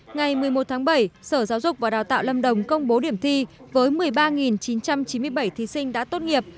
ngày một mươi một tháng bảy sở giáo dục và đào tạo lâm đồng công bố điểm thi với một mươi ba chín trăm chín mươi bảy thí sinh đã tốt nghiệp